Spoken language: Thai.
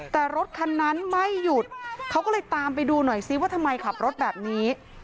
แต่รถคันนั้นไม่หยุดเขาก็เลยตามไปดูหน่อยซิว่าทำไมขับรถแบบนี้